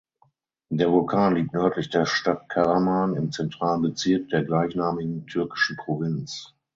Der Vulkan liegt nördlich der Stadt Karaman im zentralen Bezirk der gleichnamigen türkischen Provinz.